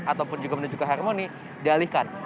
ataupun juga menuju ke harmoni dialihkan